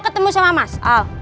ketemu sama mas al